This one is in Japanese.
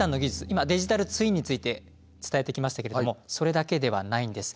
今デジタルツインについて伝えてきましたけれどもそれだけではないんです。